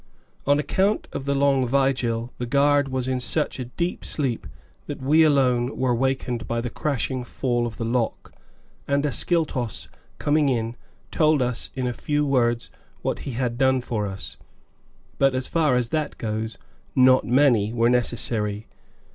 On account of the long vigil, the guard was in such a deep sleep that we alone were wakened by the crashing fall of the lock, and Ascyltos, coming in, told us in a few words what he had done for us; but as far as that goes, not many were necessary.